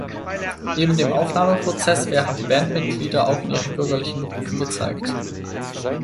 Neben dem Aufnahmeprozess werden die Bandmitglieder auch in ihren bürgerlichen Berufen gezeigt.